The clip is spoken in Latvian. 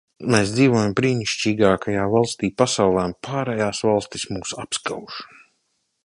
Mēs dzīvojam brīnišķīgākajā valstī pasaulē, un pārējās valstis mūs apskauž.